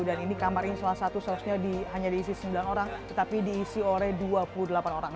dan ini kamar ini salah satu seharusnya hanya diisi sembilan orang tetapi diisi oleh dua puluh delapan orang